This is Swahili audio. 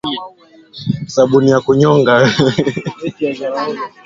Dhidi ya waasi wa kiislam mashariki mwa Kongo msemaji wa operesheni hiyo alisema